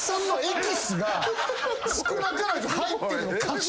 少なからず入ってるの確定。